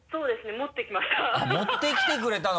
持ってきてくれたの？